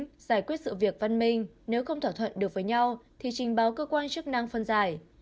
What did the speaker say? giải quyết sự việc văn minh nếu không thỏa thuận được với nhau thì trình báo cơ quan chức năng phân giải